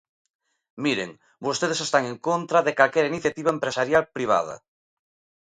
Miren, vostedes están en contra de calquera iniciativa empresarial privada.